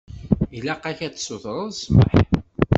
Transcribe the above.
Ilaq-ak ad tsutreḍ ssmaḥ.